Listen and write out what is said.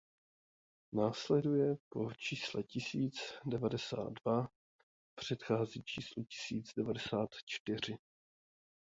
Následuje po čísle tisíc devadesát dva a předchází číslu tisíc devadesát čtyři.